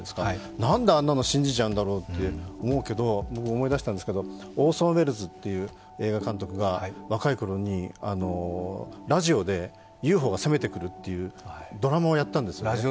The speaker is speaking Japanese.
なんであんなの信じちゃうんだろうと思うんですけど、僕、思い出したんですけど、オーソン・ウェルズという映画監督が若いころにラジオでＵＦＯが攻めてくるというドラマをやったんですよね。